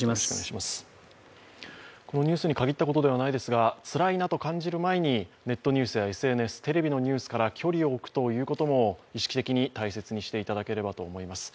このニュースに限ったことではないですがつらいなと感じる前にネットニュースやＳＮＳ、テレビのニュースから距離を置くということも意識的に大切にしていただければと思います。